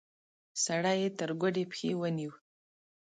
سړی يې تر ګوډې پښې ونيو.